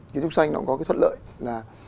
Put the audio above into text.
kiến trúc xanh nó cũng có cái thuận lợi là